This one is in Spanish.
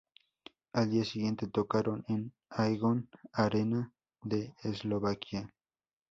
Al día siguiente tocaron en Aegon Arena de Eslovaquia.